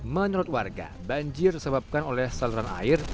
menurut warga banjir disebabkan oleh saluran air